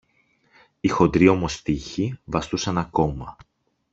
Οι χοντροί όμως τοίχοι βαστούσαν ακόμα.